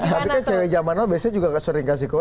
tapi kan cewek zaman lo biasanya juga sering kasih kode